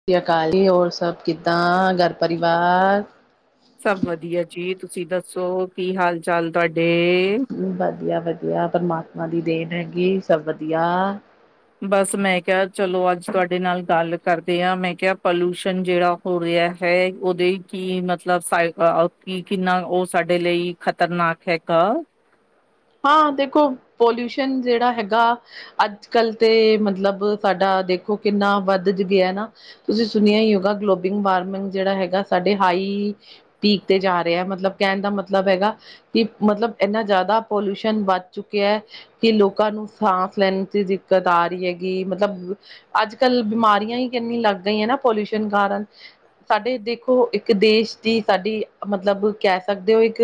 ਸਤਿ ਸ਼੍ਰੀ ਅਕਾਲ ਜੀ ਹੋਰ ਸਭ ਕਿੱਦਾਂ ਘਰ ਪਰਿਵਾਰ ਸਭ ਵਧੀਆ ਜੀ ਤੁਸੀ ਦੱਸੋ ਕੀ ਹਾਲ ਚਾਲ ਤੁਹਾਡੇ। ਵਧੀਆ- ਵਧੀਆ ਪਰਮਾਤਮਾ ਦੀ ਦੇਣ ਹੈਗੀ ਸਭ ਵਧੀਆ। ਬੱਸ ਮੈਂ ਕਿਹਾ ਚਲੋ ਅੱਜ ਤੁਹਾਡੇ ਨਾਲ ਗੱਲ ਕਰਦੇ ਹਾਂ ਮੈਂ ਕਿਹਾ ਪੋਲੂਸ਼ਨ ਜਿਹੜਾ ਤੁਰਿਆ ਹੈ ਉਹਦੇ ਕੀ ਮਤਲਬ ਕੀ ਕਿੰਨਾ ਉਹ ਸਾਡੇ ਲਈ। ਖ਼ਤਰਨਾਕ ਹੈਗਾ। ਹਾਂ ਦੇਖੋ, ਪੋਲਿਊਸ਼ਨ ਜਿਹੜਾ ਹੈਗਾ। ਅੱਜ ਕੱਲ ਤੇ, ਮਤਲਬ ਸਾਡਾ ਦੇਖੋ ਕਿੰਨਾ ਵੱਧ ਗਿਆ ਨਾ। ਤੁਸੀਂ ਸੁਣਿਆ ਹੀ ਹੋਗਾ, ਗਲੋਬਲ ਵਾਰਮਿੰਗ ਜਿਹੜਾ ਹੈਗਾ ਸਾਡੇ ਹਾਈ। ਪੀਕ ਤੇ ਜਾ ਰਿਹਾ ਹੈ ਮਤਲਬ ਕਹਿਣ ਦਾ ਮਤਲਬ ਹੈਗਾ, ਕਿ ਮਤਲਬ ਇੰਨਾ ਜ਼ਿਆਦਾ। ਪੋਲਿਊਸ਼ਨ ਵੱਧ ਚੁੱਕਿਆ ਹੈ। ਕਿ ਲੋਕਾਂ ਨੂੰ ਸਾਂਸ ਲੈਣ ਚ ਦਿੱਕਤ ਆ ਰਹੀ ਹੈਗੀ, ਮਤਲਬ ਅੱਜ ਕੱਲ੍ਹ ਬਿਮਾਰੀਆਂ ਹੀ ਕਿੰਨੀ ਲੱਗ ਗਈਆਂ ਨਾ ਪੋਲਿਊਸ਼ਨ ਕਾਰਨ ਸਾਡੇ ਦੇਖੋ ਇੱਕ ਦੇਸ਼ ਦੀ ਸਾਡੀ ਮਤਲਬ ਕਹਿ ਸਕਦੇ ਹੋ ਇੱਕ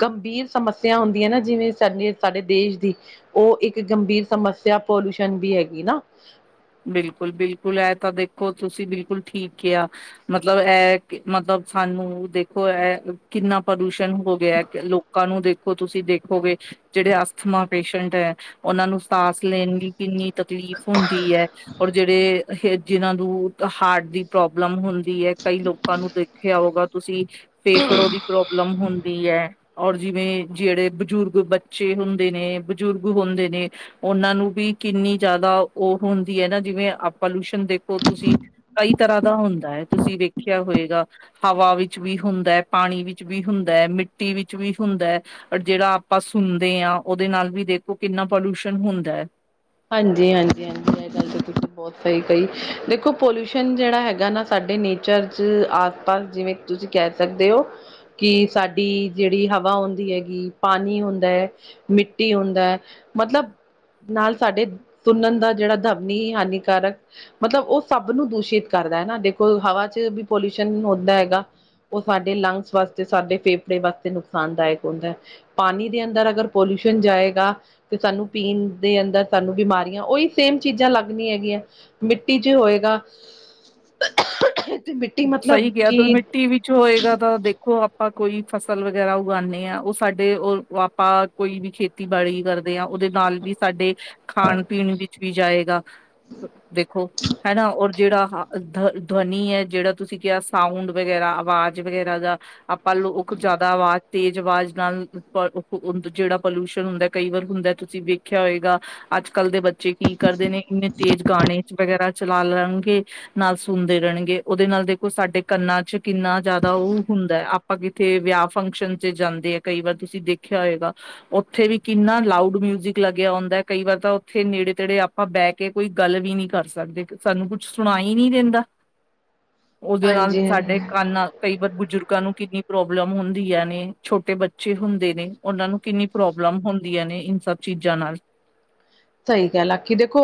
ਗੰਭੀਰ ਸਮੱਸਿਆ ਹੁੰਦੀਆਂ ਨੇ ਜਿਵੇ ਸਾਡੀ, ਸਾਡੇ ਦੇਸ਼ ਦੀ ਉਹ ਇੱਕ ਗੰਭੀਰ ਸਮੱਸਿਆ ਪੋਲਿਊਸ਼ਨ ਵੀ ਹੈਗੀ ਨਾ ਬਿਲਕੁਲ-ਬਿਲਕੁਲ ਇਹ ਤਾਂ ਦੇਖੋ ਤੁਸੀਂ ਬਿਲਕੁਲ ਠੀਕ ਕਿਹਾ ਮਤਲਬ ਇਹ, ਮਤਲਬ ਸਾਨੂੰ ਦੇਖੋ ਇਹ ਕਿੰਨਾ ਪ੍ਰਦੂਸ਼ਣ ਹੋ ਗਿਆ ਲੋਕ ਕੱਲ ਨੂੰ ਦੇਖੋ ਤੁਸੀਂ ਦੇਖੋਗੇ ਜਿਹੜੇ ਅਸਥਮਾ ਪੇਸ਼ੈਂਟ ਹੈ, ਉਹਨਾਂ ਨੂੰ ਸਾਂਸ ਲੈਣ ਲਈ ਕਿੰਨੀ ਤਕਲੀਫ਼ ਹੁੰਦੀ ਹੈ ਔਰ ਜਿਹੜੇ, ਜਿਹਨਾਂ ਨੂੰ ਹਾਰਟ ਦੀ ਪ੍ਰੋਬਲਮ ਹੁੰਦੀ ਹੈ ਕਈ ਲੋਕਾਂ ਨੂੰ ਦੇ ਦੇਖਿਆ ਹੋਗਾ ਤੁਸੀਂ, ਫੇਫੜੇ ਦੀ ਪ੍ਰੋਬਲਮ ਹੁੰਦੀ ਇਹੀ ਹੈ, ਔਰ ਜਿਵੇਂ ਜਿਹੜੇ ਬਜ਼ੁਰਗ ਬੱਚੇ ਹੁੰਦੇ ਨੇ ਬਜ਼ੁਰਗ ਹੁੰਦੇ ਨੇ ਉਹਨਾਂ ਨੂੰ ਵੀ ਕਿੰਨੀ ਜ਼ਿਆਦਾ ਉਹ ਹੁੰਦੀ ਹੈ ਨਾ ਜਿਵੇਂ ਪੋਲਿਊਸ਼ਨ ਦੇਖੋ ਤੁਸੀਂ ਕਈ ਤਰ੍ਹਾਂ ਦਾ ਹੁੰਦਾ ਹੈ, ਤੁਸੀ ਵੇਖਿਆ ਹੋਏਗਾ ਹਵਾ ਵਿੱਚ ਵੀ ਹੁੰਦਾ ਹੈ, ਪਾਣੀ ਵਿੱਚ ਵੀ ਹੁੰਦਾ ਹੈ, ਮਿੱਟੀ ਵਿੱਚ ਵੀ ਹੁੰਦਾ ਹੈ। ਜਿਹੜਾ ਆਪਾਂ ਸੁਣਦੇ ਹਾਂ, ਉਹਦੇ ਨਾਲ ਵੀ ਦੇਖੋ ਕਿੰਨਾ ਪੋਲਿਊਸ਼ਨ ਹੁੰਦਾ ਹੈ ਹਾਂਜੀ, ਹਾਂਜੀ, ਹਾਂਜੀ ਤੁਸੀਂ ਬਹੁਤ ਸਹੀ ਕਹੀ, ਦੇਖੋ ਪੋਲਿਊਸ਼ਨ ਜਿਹੜਾ ਹੈਗਾ ਨਾ। ਸਾਡੇ ਨੇਚਰ 'ਚ ਆਸ -ਪਾਸ ਜਿਵੇਂ। ਤੁਸੀਂ, ਕਹਿ ਸਕਦੇ ਹੋ। ਕਿ ਸਾਡੀ ਜਿਹੜੀ ਹਵਾ ਹੁੰਦੀ ਹੈਗੀ, ਪਾਣੀ ਹੁੰਦਾ ਹੈ। ਮਿੱਟੀ ਹੁੰਦਾ ਹੈ, ਮਤਲਬ ਨਾਲ ਸਾਡੇ ਸੁਣਨ ਦਾ, ਜਿਹੜਾ ਧਵਨੀ ਹਾਨੀਕਾਰਕ। ਮਤਲਬ ਉਹ ਸਭ ਨੂੰ ਦੂਸ਼ਿਤ ਕਰਦਾ ਹੈ ਨਾ ਦੇਖੋ ਹਵਾ ਵਿੱਚ ਵੀ ਪੋਲਿਊਸ਼ਨ ਹੁੰਦਾ ਹੈਗਾ। ਉਹ ਸਾਡੇ ਲੰਗਸ ਵਾਸਤੇ ਸਾਡੇ ਫੇਫੜੇ ਵਾਸਤੇ ਨੁਕਸਾਨਦਾਇਕ ਹੁੰਦਾ। ਪਾਣੀ ਦੇ ਅੰਦਰ ਅਗਰ ਪੋਲਿਊਸ਼ਨ ਜਾਏਗਾ, ਤੇ ਸਾਨੂੰ ਪੀਣ ਦੇ ਅੰਦਰ ਸਾਨੂੰ ਬਿਮਾਰੀਆਂ, ਉਹੀ ਸੇਮ ਚੀਜ਼ਾਂ ਲੱਗ ਨਹੀਂ ਹੈਗੀਆਂ, ਮਿੱਟੀ 'ਚ ਹੋਏਗਾ। ਤੇ ਮਿੱਟੀ ਮਤਲਬ ਸਹੀ ਕਿ। ਉਹ ਆਪਾਂ ਕੋਈ ਫਸਲ ਵਗੈਰਾ ਉਗਾਉਂਦੇ ਹਾਂ, ਉਹ ਸਾਡੇ ਉਹ ਆਪਾਂ ਕੋਈ ਵੀ ਖੇਤੀ। ਖੇਤੀਬਾੜੀ ਕਰਦੇ ਆ, ਉਹਦੇ ਨਾਲ ਵੀ ਸਾਡੇ ਖਾਣ ਪੀਣ ਵਿੱਚ ਵੀ ਜਾਏਗਾ, ਦੇਖੋ, ਹਨਾ ਉਹ ਜਿਹੜਾ ਧਵਨੀ ਹੈ, ਜਿਹੜਾ ਤੁਸੀਂ ਕਿਹਾ ਸਾਊਂਡ ਵਗੈਰਾ ਆਵਾਜ਼ ਵਗੈਰਾ ਦਾ। ਆਪਾਂ ਲੋਕ, ਜ਼ਿਆਦਾ ਆਵਾਜ਼। ਤੇਜ਼ ਆਵਾਜ਼ ਨਾਲ ਜਿਹੜਾ ਪੋਲਿਊਸ਼ਨ ਹੁੰਦਾ ਕਈ ਵਾਰ ਹੁੰਦਾ ਤੁਸੀਂ ਵੇਖਿਆ ਹੋਏਗਾ। ਅੱਜ ਕੱਲ੍ਹ ਦੇ, ਬੱਚੇ ਕੀ ਕਰਦੇ ਨੇ ਇੰਨੇ ਤੇਜ਼ ਗਾਣੇ ਵਗੈਰਾ ਚਲਾ ਲੈਣਗੇ। ਨਾਲ ਸੁਣਦੇ ਰਹਿਣਗੇ, ਉਹਦੇ ਨਾਲ ਦੇਖੋ ਸਾਡੇ ਕੰਨਾਂ 'ਚ ਕਿੰਨਾ ਜ਼ਿਆਦਾ ਉਹ ਹੁੰਦਾ ਹੈ। ਅਭੀ ਤੇ ਵਿਆਹ ਫੰਕਸ਼ਨ 'ਚ ਜਾਂਦੇ ਆ ਕਈ ਵਾਰ ਤੁਸੀਂ ਦੇਖਿਆ ਹੋਏਗਾ। ਉੱਥੇ ਵੀ ਕਿੰਨਾ ਲਾਊਡ ਮਿਊਜਿਕ ਲੱਗਿਆ ਹੁੰਦਾ, ਕਈ ਵਾਰ ਤਾਂ ਉੱਥੇ ਨੇੜੇ -ਤੇੜੇ ਆਪਾਂ ਬੈ ਬੈਠ ਕੇ ਕੋਈ ਗੱਲ ਵੀ ਨੀ ਕਰ ਸਕਦੇ, ਸਾਨੂੰ ਕੁਛ ਸੁਣਾਈ ਹੀ ਨਹੀਂ ਦਿੰਦਾ। ਉਹਦੇ ਨਾਲ਼ ਹਾਂਜੀ ਸਾਡੇ ਕੰਨ ਨਾਲ, ਕਈ ਵਾਰ ਬਜ਼ੁਰਗਾਂ ਨੂੰ ਕਿੰਨੀ ਪ੍ਰੋਬਲਮ ਹੁੰਦੀਆ ਨੇ, ਛੋਟੇ ਬੱਚੇ ਹੁੰਦੇ ਨੇ। ਉਹਨਾਂ ਨੂੰ ਕਿੰਨੀ ਪ੍ਰੋਬਲਮ ਹੁੰਦੀਆਂ ਨੇ ਇਨ ਸਭ ਚੀਜ਼ਾਂ ਨਾਲ ਸਹੀ ਗਲ ਆਖੀਂ, ਦੇਖੋ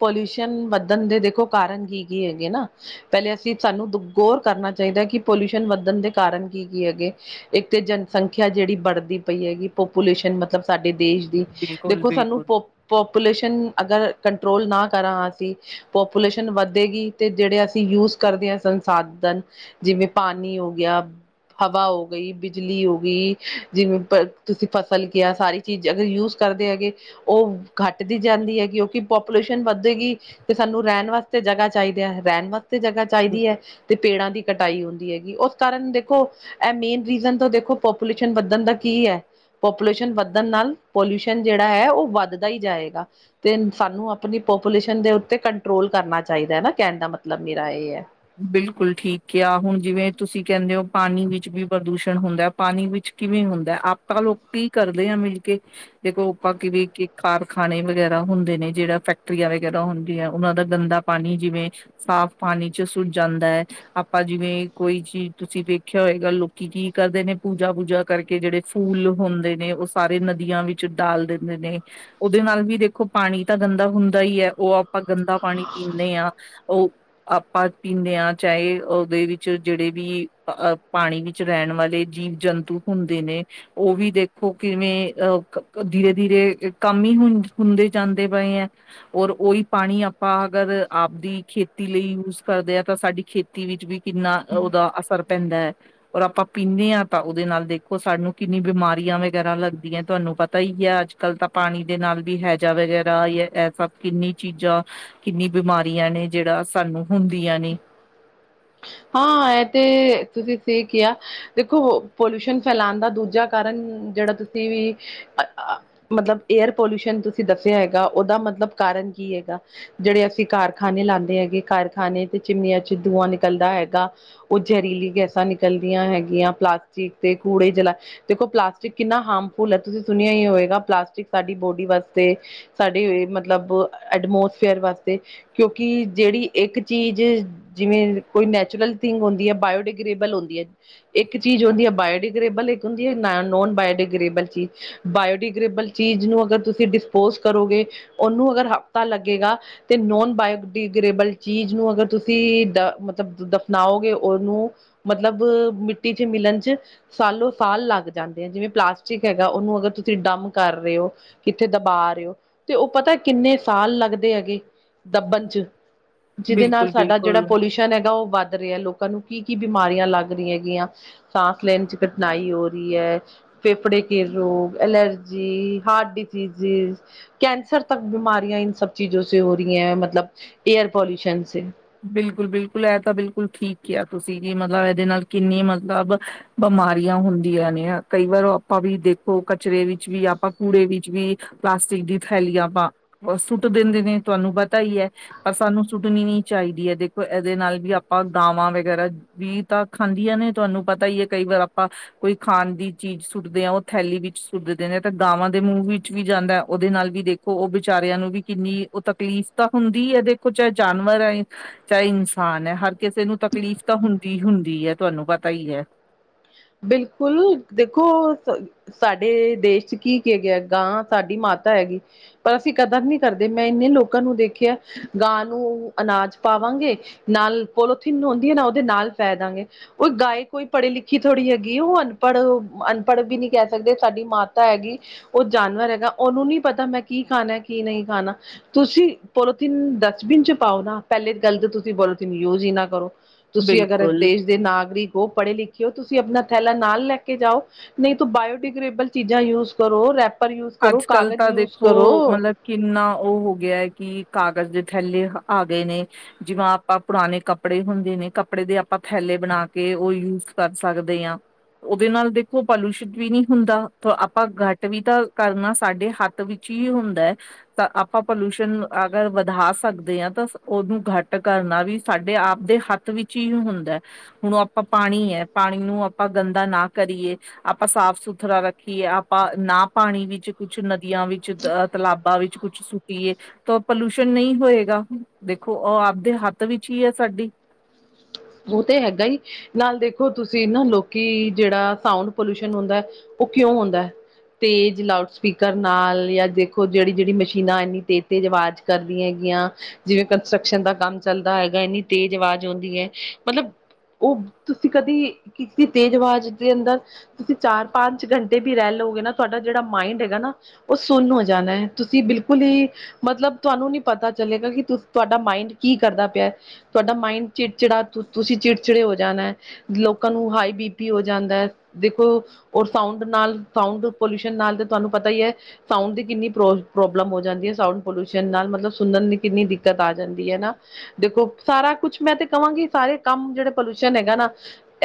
ਪੋਲਿਊਸ਼ਨ ਵੱਧਣ ਦੇ ਕਾਰਨ ਕੀ- ਕੀ ਹੈਗੇ ਨਾ। ਪਹਿਲੇ ਅਸੀਂ ਸਾਨੂੰ ਦ ਗੋਰ ਕਰਨਾ ਚਾਹੀਦਾ। ਕਿ ਪੋਲਿਊਸ਼ਨ ਵੱਧਣ ਦੇ ਕਾਰਨ ਕੀ- ਕੀ ਹੈਗੇ। ਇੱਕ ਤੇ ਜਨਸੰਖਿਆ ਜਿਹੜੀ ਵਧਦੀ ਪਈ ਹੈਗੀ। ਪੋਪੂਲੇਸ਼ਨ ਮਤਲਬ ਸਾਡੇ ਦੇਸ਼ ਦੀ, ਬਿਲਕੁਲ ਦੇਖੋ ਸਾਨੂੰ ਬਿਲਕੁਲ ਪੋ ਪੋਪੂਲੇਸ਼ਨ, ਅਗਰ ਕੰਟਰੋਲ ਨਾ ਕਰਾਂ ਅਸੀਂ ਪੋਪੂਲੇਸ਼ਨ ਵਧੇਗੀ, ਤੇ ਜਿਹੜੇ ਅਸੀਂ ਯੂਜ ਕਰਦੇ ਆਂ ਸੰਸਾਧਨ ਜਿਵੇਂ ਪਾਣੀ ਹੋ ਗਿਆ। ਹਵਾ ਹੋ ਗਈ, ਬਿਜਲੀ ਹੋ ਗਈ, ਜਿਵੇਂ ਤੁਸੀਂ ਫਸਲ ਕਿਹਾ ਸਾਰੀ ਚੀਜ਼ ਅਗਰ ਯੂਜ ਕਰਦੇ ਹੈਗੇ, ਉਹ ਘੱਟਦੀ ਜਾਂਦੀ ਐ ਕਿਉਂਕਿ ਪਾਪੂਲੇਸ਼ਨ ਵੱਧੇਗੀ, ਤੇ ਸਾਨੂੰ ਰਹਿਣ ਵਾਸਤੇ ਜਗ੍ਹਾ ਚਾਹੀਦੀ ਐ, ਰਹਿਣ ਵਾਸਤੇ ਤੇ ਜਗ੍ਹਾ ਚਾਹੀਦੀ ਐ, ਤੇ ਪੇੜਾਂ ਦੀ ਕਟਾਈ ਹੁੰਦੀ ਹੈਗੀ, ਓਸ ਕਾਰਨ ਦੇਖੋ ਇਹ ਮੇਨ ਰੀਜ਼ਨ ਤੋਂ ਦੇਖੋ ਪੋਪੂਲੇਸ਼ਨ ਵੱਧਣ ਦਾ ਕੀ ਐ। ਪੋਪੂਲੇਸ਼ਨ ਵੱਧਣ ਨਾਲ, ਪੋਲਿਊਸ਼ਨ ਜਿਹੜਾ ਐ ਉਹ ਵੱਧਦਾ ਹੀ ਜਾਏਗਾ। ਤੇ ਸਾਨੂੰ ਆਪਣੀ ਪੋਪੂਲੇਸ਼ਨ ਦੇ ਉੱਤੇ ਕੰਟਰੋਲ ਕਰਨਾ ਚਾਹੀਦਾ ਐ ਨਾ, ਕਹਿਣ ਦਾ ਮਤਲਬ ਮੇਰਾ ਇਹ ਐ। ਬਿਲਕੁਲ ਠੀਕ ਕਿਆ, ਹੁਣ ਜਿਵੇਂ ਤੁਸੀਂ ਕਹਿੰਦੇ ਹੋ ਪਾਣੀ ਵਿੱਚ ਵੀ ਪ੍ਰਦੂਸ਼ਣ ਹੁੰਦਾ। ਪਾਣੀ ਵਿੱਚ ਕਿਵੇਂ ਹੁੰਦਾ, ਆਪਾਂ ਲੋਕ ਕੀ ਕਰਦੇ ਆ ਮਿਲਕੇ। ਦੇਖੋ ਆਪਾਂ ਕਿਵੇ ਕਾਰਖਾਨੇ ਵਗੈਰਾ ਹੁੰਦੇ ਨੇ, ਜਿਹੜਾ ਫੈਕਟਰੀਆਂ ਵਗੈਰਾ ਹੁੰਦੀਆਂ, ਉਹਨਾਂ ਦਾ ਗੰਦਾ ਪਾਣੀ ਜਿਵੇਂ ਸਾਫ਼ ਪਾਣੀ ਚ ਸੁੱਟ ਜਾਂਦਾ। ਆਪਾਂ ਜਿਵੇਂ ਕੋਈ ਚੀਜ਼ ਤੁਸੀਂ ਵੇਖਿਆ ਹੋਏਗਾ, ਲੋਕੀ ਕੀ ਕਰਦੇ ਨੇ ਪੂਜਾ-ਪੂਜਾ ਕਰਕੇ ਜਿਹੜੇ ਫੂਲ ਹੁੰਦੇ ਨੇ, ਉਹ ਸਾਰੇ ਨਦੀਆਂ ਵਿੱਚ ਡਾਲ ਦਿੰਦੇ ਨੇ। ਉਹਦੇ ਨਾਲ ਵੀ ਦੇਖੋ ਪਾਣੀ ਤਾਂ ਗੰਦਾ ਹੁੰਦਾ ਹੀ ਐ, ਉਹ ਆਪਾਂ ਗੰਦਾ ਪਾਣੀ ਪੀਂਨੇ ਆਂ, ਉਹ ਪਰ ਪੀਂਨੇ ਆਂ, ਚਾਹੇ ਉਹਦੇ ਵਿੱਚ ਜਿਹੜੇ ਵੀ ਪਾਣੀ ਵਿੱਚ ਰਹਿਣ ਵਾਲੇ ਜੀਵ ਜੰਤੂ ਹੁੰਦੇ ਨੇ। ਉਹ ਵੀ ਦੇਖੋ ਕਿਵੇਂ ਅਹ ਧੀਰੇ-ਧੀਰੇ ਕੰਮ ਹੀ ਹੁੰਦੇ ਜਾਂਦੇ ਪਏ ਐ। ਔਰ ਉਹੀ ਪਾਣੀ ਆਪਾਂ ਅਗਰ ਆਪਦੀ ਖੇਤੀ ਲਈ ਯੂਜ ਕਰਦੇ ਆ, ਤਾਂ ਸਾਡੀ ਖੇਤੀ ਵਿੱਚ ਵੀ ਕਿੰਨਾ ਉਹਦਾ ਅਸਰ ਪੈਂਦਾ। ਔਰ ਆਪਾਂ ਪੀਂਦੇ ਆਂ, ਤਾਂ ਉਹਦੇ ਨਾਲ ਦੇਖੋ ਸਾਨੂੰ ਕਿੰਨੀ ਬਿਮਾਰੀਆਂ ਵਗੈਰਾ ਲੱਗਦੀਆਂ, ਤੁਹਾਨੂੰ ਪਤਾ ਈ ਐ ਅੱਜ। ਕੱਲ ਤਾਂ ਪਾਣੀ ਦੇ ਨਾਲ ਵੀ ਹੈਜਾ ਵਗੈਰਾ ਜਾਂ ਇਹ ਸਭ ਕਿੰਨੀ ਚੀਜ਼ਾਂ ਕਿੰਨੀ ਬਿਮਾਰੀਆਂ ਨੇ, ਜਿਹੜਾ ਸਾਨੂੰ ਹੁੰਦੀਆਂ ਨੇ। ਹਾਂ, ਇਹ ਤੇ ਤੁਸੀਂ ਸਹੀ ਕਿਹਾ। ਦੇਖੋ, ਪੋਲਿਊਸ਼ਨ ਫੈਲਾਣ ਦਾ ਦੂਜਾ ਕਾਰਨ ਜਿਹੜਾ ਤੁਸੀਂ ਵੀ ਮਤਲਬ ਏਅਰ ਪੋਲਿਊਸ਼ਨ ਤੁਸੀਂ ਦੱਸਿਆ ਹੈਗਾ, ਉਹਦਾ ਮਤਲਬ ਕਾਰਨ ਕੀ ਹੈਗਾ। ਜਿਹੜੇ ਅਸੀਂ ਕਾਰਖਾਨੇ ਲਾਂਦੇ ਹੈਗੇ, ਕਾਰਖਾਨੇ ਤੇ ਚਿਮਨੀਆਂ ਚੋਂ ਧੂੰਆਂ ਨਿਕਲਦਾ ਹੈ। ਹੈਗਾ ਉਹ ਜ਼ਹਿਰੀਲੀ ਗੈਸਾਂ ਨਿਕਲਦੀਆਂ ਹੈਗੀਆਂ, ਪਲਾਸਟਿਕ ਤੇ ਕੂੜੇ ਜਲਾ ਦੇਖੋ ਪਲਾਸਟਿਕ ਕਿੰਨਾ ਹਾਰਮਫੁੱਲ ਐ ਤੁਸੀਂ ਸੁਣਿਆ ਹੀ ਹੋਵੇਗਾ, ਪਲਾਸਟਿਕ ਸਾਡੀ ਬੋਡੀ ਵਾਸਤੇ ਸਾਡੇ ਮਤਲਬ ਐਟਮੋਸਫੇਅਰ ਵਾਸਤੇ। ਕਿਉਂਕਿ ਜਿਹੜੀ ਇੱਕ ਚੀਜ਼ ਜਿਵੇਂ ਕੋਈ ਨੈਚ ਨੈਚੁਰਲ ਥਿੰਗ ਹੁੰਦੀ ਐ, ਬਾਇਓਡੀਗ੍ਰੇਬਲ ਹੁੰਦੀ ਐ। ਇੱਕ ਚੀਜ਼ ਹੁੰਦੀ ਹੈ ਬਾਇਓਡੀਗਰੇਬਲ ਇੱਕ ਹੁੰਦੀ ਹੈ, ਨੋਨ-ਬਾਇਓਡੀਗਰੇੇਬਲ ਚੀਜ਼। ਬਾਇਓਡੀਗ੍ਰੇਬਲ ਚੀਜ਼ ਨੂੰ ਅਗਰ ਤੁਸੀਂ ਡਿਸਪੋਜ ਕਰੋਗੇ, ਉਹਨੂੰ ਅਗਰ ਹਫ਼ਤਾ ਲੱਗੇਗਾ। ਤੇ ਨੋਨ ਬਾਇਓਡਿਗਰੇਬਲ ਚੀਜ਼ ਨੂੰ ਅਗਰ ਤੁਸੀਂ ਦ ਮਤਲਬ ਜਿਦਾ ਮਲਾਓਗੇ ਉਹਨੂੰ, ਮਤਲਬ ਮਿੱਟੀ ਚ ਮਿਲਣ ਚ ਸਾਲੋ ਸਾਲ ਲੱਗ ਜਾਂਦੇ ਐ, ਜਿਵੇਂ ਪਲਾਸਟਿਕ ਹੈਗਾ ਉਹਨੂੰ ਅਗਰ ਤੁਸੀਂ ਡੰਮ ਕਰ ਰਹੇ ਹੋ। ਕਿੱਥੇ ਦਬਾ ਰਹੇ ਹੋ, ਤੇ ਉਹ ਪਤਾ ਕਿੰਨੇ ਸਾਲ ਲੱਗਦੇ ਹੈਗੇ। ਦੱਬਣ ਚ, ਜਿਹਦੇ ਨਾਲ ਸਾਡਾ ਜਿਹੜਾ ਬਿਲਕੁਲ-ਬਿਲਕੁਲ ਪੋਲਿਊਸ਼ਨ ਹੈਗਾ ਉਹ ਵੱਧ ਵੱਧ ਰਿਹਾ, ਲੋਕਾਂ ਨੂੰ ਕੀ ਕੀ ਬਿਮਾਰੀਆਂ ਲੱਗ ਰਹੀ ਹੈਗੀਆਂ, ਸਾਂਸ ਲੈਣ ਚ ਕਠਿਨਾਈ ਹੋ ਰਈ ਐ। ਫੇਫੜੇ ਕੇ ਰੋਗ, ਐਲਰਜੀ ਹਾਰਟ ਡਿਸੀਜੀਜ਼। ਕੈਂਸਰ ਤੱਕ ਬਿਮਾਰੀਆਂ ਇਨ ਸਬ ਚੀਜ਼ੋ ਹੋ ਰਈ ਐ, ਮਤਲਬ ਏਅਰ ਪੋਲਿੂਸ਼ਨ ਸੇ। ਬਿਲਕੁਲ-ਬਿਲਕੁਲ ਇਹ ਤਾਂ ਬਿਲਕੁਲ ਠੀਕ ਕਿਹਾ ਤੁਸੀਂ ਜੀ, ਮਤਲਬ ਇਹਦੇ ਨਾਲ ਕਿੰਨੀ ਮਤਲਬ ਅ ਬ ਬਿਮਾਰੀਆਂ ਹੁੰਦੀਆਂ ਨੇ ਆ, ਕਈ ਵਾਰ ਆਪਾਂ ਵੀ ਦੇਖੋ ਕਚਰੇ ਵਿੱਚ ਵੀ, ਆਪਾਂ ਕੂੜੇ ਵਿੱਚ ਵੀ ਪਲਾਸਟਿਕ ਦੀ ਥੈਲੀਆਂ ਆਪਾਂ ਸੁੱਟ ਦਿੰਦੇ ਨੇ ਤੁਹਾਨੂੰ ਪਤਾ ਈ ਐਹ, ਪਰ ਸਾਨੂੰ ਸੁੱਟਣੀ ਨੀ। ਚਾਹੀਦੀ ਐ, ਦੇਖੋ ਇਹਦੇ ਨਾਲ ਵੀ ਆਪਾਂ ਗਾਵਾਂ ਵਗੈਰਾ ਵੀ ਤਾਂ ਖਾਂਦੀਆਂ ਨੇ ਤੁਹਾਨੂੰ ਪਤਾ ਈ ਐ, ਕਈ ਵਾਰ ਆਪਾਂ ਕੋਈ ਖਾਣ ਦੀ ਚੀਜ਼ ਸੁੱਟਦੇ ਆ ਉਹ ਥੈਲੀ ਵਿੱਚ ਸੁੱਟਦੇ ਨੇ ਤੇ ਗਾਵਾਂ ਦੇ ਮੂੰਹ ਵਿੱਚ ਵੀ ਜਾਂਦਾ, ਉਹਦੇ ਨਾਲ ਵੀ ਦੇਖ ਦੇੋ ਉਹ ਬੇਚਾਰਿਆਂ ਨੂੰ ਵੀ ਕਿੰਨੀ ਉਹ ਤਕਲੀਫ਼ ਤਾਂ ਹੁੰਦੀ ਹੈ ਦੇਖੋ, ਚਾਹੇ ਜਾਨਵਰ ਆ ਚਾਹੇ ਇਨਸਾਨ ਹੈ ਹਰ ਕਿਸੇ ਨੂੰ ਤਕਲੀਫ਼ ਤਾਂ ਹੁੰਦੀ ਹੀ ਹੁੰਦੀ ਹੈ ਤੁਹਾਨੂੰ ਪਤਾ ਹੀ ਹੈ। ਬਿਲਕੁਲ, ਦੇਖੋ ਸਾਡੇ ਦੇਸ਼ ਚ ਕੀ ਕੇ ਗਿਆ ਗਾਂ ਸਾਡੀ ਮਾਤਾ ਹੈਗੀ ਪਰ ਅਸੀਂ ਕਦਰ ਨੀ ਕਰਦੇ, ਮੈਂ ਇੰਨੇ ਲੋਕਾਂ ਨੂੰ ਦੇਖਿਆ ਗਾਂ ਨੂੰ ਅਨਾਜ ਪਾਵਾਂਗੇ ਨਾਲ ਪੋਲੋਥੀਨ ਹੁੰਦੀ ਹੈ ਨਾ, ਉਹਦੇ ਨਾਲ ਪੈ ਦਾਂਗੇ ਕੋਈ ਗਾਏ, ਕੋਈ ਪੜ੍ਹੇ ਲਿਖੇ ਥੋੜ੍ਹੀ ਹੈਗੀ ਉਹ ਅਨਪੜ੍ਹ, ਅਨਪੜ੍ਹ ਵੀ ਨਹੀਂ ਕਹਿ ਸਕਦੇ ਸਾਡੀ ਮਾਤਾ ਹੈਗੀ ਉਹ ਜਾਨਵਰ ਹੈਗਾ, ਉਹਨੂੰ ਨਹੀਂ ਪਤਾ ਮੈਂ ਕੀ ਖਾਣਾ ਕੀ ਨਹੀਂ ਖਾਣਾ ਤੁਸੀਂ ਪੋਲੋਥੀਨ ਡਸਟਬਿਨ ਚ ਪਾਓ ਨਾ, ਪਹਿਲੇ ਗੱਲ ਤਾਂ ਤੁਸੀਂ ਪੋਲੋਥੀਨ ਯੂਜ ਹੀ ਨਾ ਕਰੋ। ਤੁਸੀਂ ਅਗਰ ਬਿਲਕੁਲ ਦੇਸ਼ ਦੇ ਨਾਗਰਿਕ ਹੋ ਪੜ੍ਹੇ ਲਿਖੇ ਹੋ, ਤੁਸੀਂ ਆਪਣਾ ਥੈਲਾ ਨਾਲ ਲੈ ਕੇ ਜਾਓ, ਨਹੀਂ ਤਾ ਬਾਇਓਡੀਗ੍ਰੇਬਲ ਚੀਜ਼ਾਂ ਯੂਜ ਕਰੋ ਰੈਪ ਪੇਪਰ ਯੂਜ ਕਰੋ, ਅੱਜ ਕੱਲ ਕਾਗਜ਼ ਤਾਂ ਯੂਜ ਦੇਖੋ ਕਰੋ। ਮਤਲਬ ਕਿੰਨਾ ਉਹ ਹੋ ਗਿਆ ਹੈ ਕਿ ਕਾਗਜ਼ ਦੇ ਥੈਲੇ ਆ ਗਏ ਨੇ, ਜਿਵੇ ਆਪਾਂ ਪੁਰਾਣੇ ਕੱਪੜੇ ਹੁੰਦੇ ਨੇ ਕੱਪੜੇ ਦੇ ਆਪਾਂ ਥੈਲੇ ਬਣਾ ਕੇ, ਉਹ ਆਪਾਂ ਯੂਜ ਕਰ ਸਕਦੇ ਹਾਂ ਉਹਦੇ ਨਾਲ ਦੇਖੋ ਪੋਲਿਊਸ਼ਨ ਵੀ ਨਹੀਂ ਹੁੰਦਾ, ਆਪਾਂ ਘੱਟ ਵੀ ਤਾਂ ਕਰਨਾ ਸਾਡੇ ਹੱਥ ਵਿੱਚ ਹੀ ਹੁੰਦਾ ਹੈ। ਤਾਂ ਆਪਾਂ ਪੋਲਿਊਸ਼ਨ ਅਗਰ ਵਧਾ ਸਕਦੇ ਹਾਂ ਤਾਂ ਉਹਨੂੰ ਘੱਟ ਕਰਨਾ ਵੀ ਸਾਡੇ ਆਪਦੇ ਹੱਥ ਵਿੱਚ ਹੀ ਹੁੰਦਾ, ਹੁਣ ਆਪਾਂ ਪਾਣੀ ਹੈ ਪਾਣੀ ਨੂੰ ਆਪਾਂ ਗੰਦਾ ਨਾ ਕਰੀਏ, ਆਪਾਂ ਸਾਫ਼ ਸੁਥਰਾ ਰੱਖੀਏ, ਆਪਾਂ ਨਾ ਪਾਣੀ ਵਿੱਚ ਕੁਛ ਨਦੀਆਂ ਵਿੱਚ ਅ ਤਲਾਬਾਂ ਵਿੱਚ ਕੁਛ ਸੁੱਟੀਏ ਤਾਂ ਪੋਲਿਊਸ਼ਨ ਨਹੀਂ ਹੋਏਗਾ, ਦੇਖੋ ਉਹ ਆਪਦੇ ਹੱਥ ਵਿੱਚ ਹੀ ਹੈ ਸਾਡੀ ਉਹ ਤੇ ਹੈਗਾ- ਨਾਲ ਦੇਖੋ ਤੁਸੀਂ ਨਾ ਲੋਕੀ, ਜਿਹੜਾ ਸਾਊਂਡ ਪੋਲਿਊਸ਼ਨ ਹੁੰਦਾ ਉਹ ਕਿਉਂ ਹੁੰਦਾ ਹੈ? ਤੇਜ਼ ਲਾਊਡ ਸਪੀਕਰ ਨਾਲ ਜਾਂ ਦੇਖੋ ਜਿਹੜੀ ਜਿਹੜੀ ਮਸ਼ੀਨਾਂ ਇੰਨੀ ਤੇਜ਼ ਤੇਜ਼ ਆਵਾਜ਼ ਕਰਦੀਆਂ ਹੈਗੀਆਂ, ਜਿਵੇਂ ਕੰਸਟਰਕਸ਼ਨ ਦਾ ਕੰਮ ਚੱਲਦਾ ਹੈਗਾ ਇੰਨੀ ਤੇਜ਼ ਆਵਾਜ਼ ਆਉਂਦੀ ਹੈ ਮਤਲਬ ਉਹ ਤੁਸੀਂ ਕਦੇ, ਕਿਸੇ ਤੇਜ਼ ਆਵਾਜ਼ ਦੇ ਅੰਦਰ ਤੁਸੀਂ ਚਾਰ ਪੰਜ ਘੰਟੇ ਵੀ ਰਹਿ ਲਓਗੇ ਨਾ ਤੁਹਾਡਾ ਜਿਹੜਾ ਮਾਇੰਡ ਹੈਗਾ ਨਾ, ਉਹ ਸੁੰਨ ਹੋ ਜਾਣਾ ਹੈ ਤੁਸੀਂ ਬਿਲਕੁਲ ਹੀ ਮਤਲਬ ਤੁਹਾਨੂੰ ਨੀ ਪਤਾ ਚਲੇਗਾ, ਕਿ ਤੁਹਾਡਾ ਮਾਇੰਡ ਕੀ ਕਰਦਾ ਪਿਆ ਤੁਹਾਡਾ ਮਾਇੰਡ ਚਿੜਚਿੜਾ ਤੁਸੀਂ ਚਿੜਚਿੜੇ ਹੋ ਜਾਣਾ ਲੋਕਾਂ ਨੂੰ ਹਾਈ ਬੀ ਪੀ ਹੋ ਜਾਂਦਾ ਹੈ, ਦੇਖੋ ਔਰ ਸਾਊਂਡ ਨਾਲ ਸਾਊਂਡ ਪੋਲਿਊਸ਼ਨ ਨਾਲ ਤੇ ਤੁਹਾਨੂੰ ਪਤਾ ਹੀ ਹੈ, ਸਾਊਂਡ ਦੀ ਕਿੰਨੀ ਪ੍ਰੋ ਪ੍ਰੋਬਲਮ ਹੋ ਜਾਂਦੀ ਹੈ ਸਾਊਂਡ ਪੋਲਿਊਸ਼ਨ ਨਾਲ, ਮਤਲਬ ਸੁਣਨ ਦੀ ਕਿੰਨੀ ਦਿੱਕਤ ਆ ਜਾਂਦੀ ਹੈ ਨਾ ਦੇਖੋ ਸਾਰਾ ਕੁਛ ਮੈਂ ਤੇ ਕਹਾਂਗੀ ਸਾਰੇ ਕੰਮ ਜਿਹੜੇ ਪੋਲਊਸ਼ਨ ਹੈਗਾ ਨਾ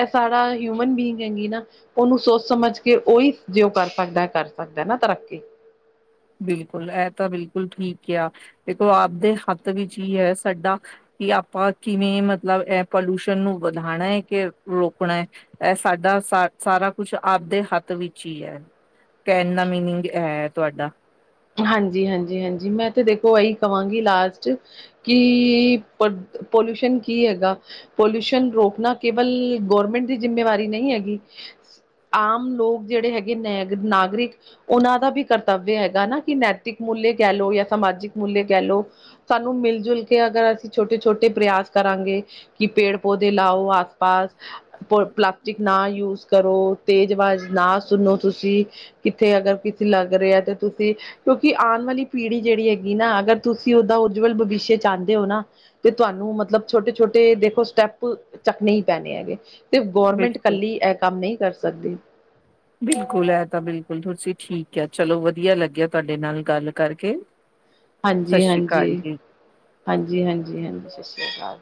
ਇਹ ਸਾਰਾ ਹਿਊਮਨ ਬੀਂਗ ਹੈਗੀ ਨਾ- ਉਹਨੂੰ ਸੋਚ ਸਮਝ ਕੇ ਉਹੀ ਜੇ ਉਹ ਕਰ ਸਕਦਾ ਕਰ ਸਕਦਾ ਨਾ ਤਰੱਕੀ ਬਿਲਕੁਲ ਇਹ ਤਾਂ ਬਿਲਕੁਲ ਠੀਕ ਆ, ਦੇਖੋ ਆਪਦੇ ਹੱਥ ਵਿੱਚ ਹੀ ਹੈ ਸਾਡਾ ਕਿ ਆਪਾਂ ਕਿਵੇਂ ਮਤਲਬ ਇਹ ਪੋਲਿਊਸ਼ਨ ਨੂੰ ਵਧਾਉਣਾ ਹੈ ਕਿ ਰੋਕਣਾ ਹੈ? ਇਹ ਸਾਡਾ ਸ ਸਾਰਾ ਕੁਛ ਆਪਦੇ ਹੱਥ ਵਿੱਚ ਹੀ ਹੈ ਕਹਿਣ ਦਾ ਮੀਨਿੰਗ ਹੈ ਤੁਹਾਡਾ ਹਾਂਜੀ ਹਾਂਜੀ, ਹਾਂਜੀ ਮੈਂ ਤੇ ਦੇਖੋ ਇਹੀ ਕਹਾਂਗੀ ਲਾਸਟ ਕੀ ਪੋਲਿਊਸ਼ਨ ਕੀ ਹੈਗਾ? ਪੋਲਿਊਸ਼ਨ ਰੋਕਣਾ ਕੇਵਲ ਗੌਰਮੈਂਟ ਦੀ ਜਿੰਮੇਵਾਰੀ ਨਹੀਂ ਹੈਗੀ, ਆਮ ਲੋਕ ਜਿਹੜੇ ਹੈਗੇ ਨ ਨਾਗਰਿਕ ਉਹਨਾਂ ਦਾ ਵੀ ਕਰਤਵ ਹੈਗਾ ਨਾ ਕਿ ਨੈਤਿਕ ਮੂਲ ਕੈ ਲੋ ਜਾਂ ਸਾਮਜਿਕ ਮੂਲ ਕਹਿ ਲੋ ਸਾਨੂੰ ਮਿਲ ਜੁਲ ਕੇ ਅਗਰ ਅਸੀਂ ਛੋਟੇ ਛੋਟੇ ਪ੍ਰਯਸ ਕਰਾਂਗੇ ਕਿ ਪੇੜ ਪੌਦੇੇ ਲਓ ਆਸਪਾਸ, ਪ ਪਲਾਸਟਿਕ ਨਾ ਯੂਜ ਕਰੋ, ਤੇਜ਼ ਆਵਾਜ਼ ਨਾ ਸੁਣੋ ਤੁਸੀਂ ਕਿੱਥੇ ਅਗਰ ਕਿਤੇ ਲੱਗ ਰਿਹਾ ਆਂ ਤੇ ਤੁਸੀਂ ਕਿਉਂਕਿ ਆਣ ਵਾਲੀ ਪੀੜ੍ਹੀ ਜਿਹੜੀ ਹੈਗੀ ਨਾ ਅਗਰ ਤੁਸੀਂ ਓਦਦਾ ਉਜਵਲ ਭਵਿੱਖ ਚਾਹੁੰਦੇ ਹੋ ਨਾ। ਤੇ ਤੁਹਾਨੂੰ ਮਤਲਬ ਛੋਟੇ, ਛੋਟੇ ਦੇਖੋ ਸਟੈਪ ਚੱਕਣੇ ਹੀ ਪੈਣੇ ਹੈਗੇ। ਤੇ 'ਗੌਰਮੈਂਟ' ਬਿਲਕੁਲ ਕੱਲੀ ਇਹ ਕੰਮ ਨਹੀਂ ਕਰ ਸਕਦੀ‌। ਬਿਲਕੁਲ ਐ ਤਾਂ ਬਿਲਕੁਲ ਤੁਸੀਂ ਠੀਕ ਕਿਆ ਚਲੋ ਵਧੀਆ ਲੱਗਿਆ, ਤੁਹਾਡੇ ਨਾਲ ਗੱਲ ਕਰਕੇ। ਸਤਿ ਹਾਂਜੀ, ਸ਼੍ਰੀ ਹਾਂਜੀ, ਅਕਾਲ ਜੀ। ਹਾਂਜੀ, ਹਾਂਜੀ, ਹਾਂਜੀ 'ਸਤਿ ਸ਼੍ਰੀ ਅਕਾਲ'।